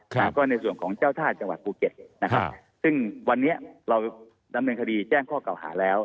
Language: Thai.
แล้วก็ในส่วนของเจ้าท่าจังหวัดภูเก็ตนะครับซึ่งวันนี้เราดำเนินคดีแจ้งข้อเก่าหาแล้ว